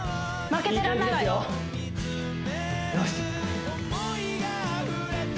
負けてらんないわよよし！